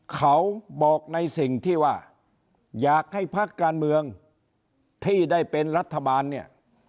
เขาบอกในสิ่งที่ว่าอยากให้พักการเมืองที่ได้เป็นรัฐบาลเนี่ย